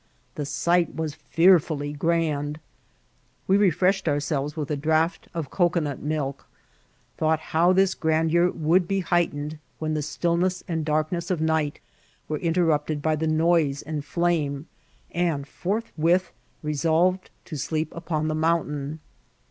The sight was fearfully gnind. We re freshed ourselyes with a draught of cocoanut milk, thought how this grandeur would be heightened when the stillness and darkness of night were interrupted by the noise and flame, and forthwith resolved to sleep upon the mountain.